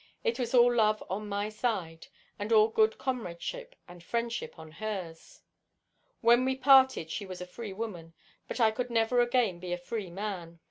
It was all love on my side, and all good comradeship and friendship on hers. When we parted she was a free woman, but I could never again be a free man.